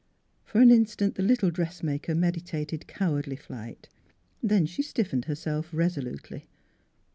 For an instant the little dressmaker meditated cowardly flight; then she stiffened her self resolutely.